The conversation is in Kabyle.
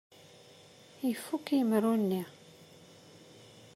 Ifukk yemru-nni.